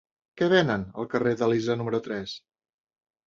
Què venen al carrer d'Elisa número tres?